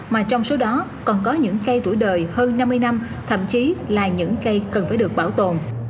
mà trong số đó còn có những cây tuổi đời hơn năm mươi năm thậm chí là những cây cần phải được bảo tồn